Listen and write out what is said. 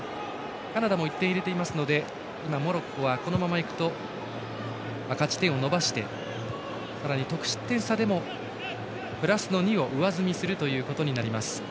カナダも１点入れていますのでモロッコはこのままいくと勝ち点を伸ばしてさらに得失点差でもプラスの２を上積みするという形です。